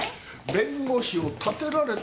弁護士を立てられたらアウト。